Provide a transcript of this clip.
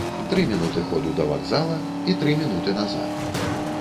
Тры мінуты ходу да вакзала і тры мінуты назад.